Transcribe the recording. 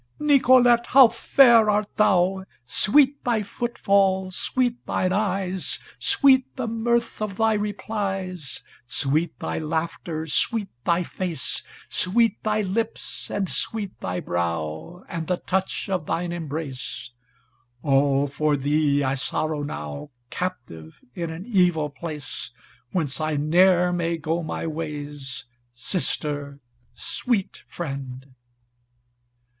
"Nicolete how fair art thou, Sweet thy foot fall, sweet thine eyes, Sweet the mirth of thy replies, Sweet thy laughter, sweet thy face, Sweet thy lips and sweet thy brow, And the touch of thine embrace, All for thee I sorrow now, Captive in an evil place, Whence I ne'er may go my ways Sister, sweet friend!"